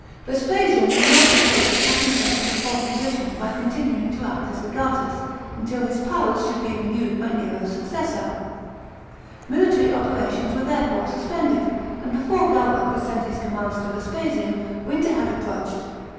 Vespasian was not 16* 370 REBELLIONS IN GERMANY AND JUDEA. CHAP, xx disposed to put himself in a false position by continuing to act as legatus, until his powers should be renewed by Nero's successor, Military operations were therefore suspended, and before Galba could send his commands to Vespasian, winter had approached.